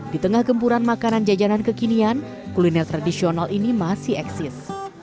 di tengah gempuran makanan jajanan kekinian kuliner tradisional ini masih eksis